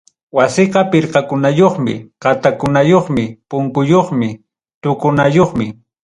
Wasiqa pirqakunayuqmi, qatakunayuqmi, punkuyuqmi, tuqukunayuqmi.